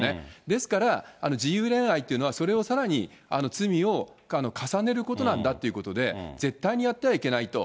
ですから、自由恋愛というのは、それをさらに罪を重ねることなんだということで、絶対にやってはいけないと。